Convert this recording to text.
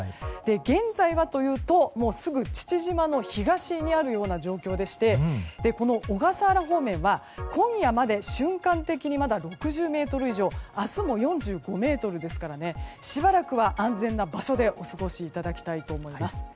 現在はというと父島の東にある状況でしてこの小笠原方面は今夜まで瞬間的にまだ６０メートル以上明日も４５メートルですからしばらくは安全な場所でお過ごしいただきたいと思います。